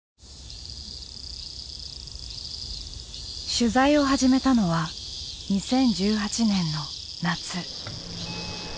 取材を始めたのは２０１８年の夏。